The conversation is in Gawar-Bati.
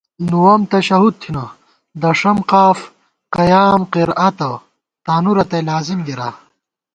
نُووَم تشہُد تھنہ ، دݭم قاف قیام قرأتہ تانُو رتئ لازِم گِرا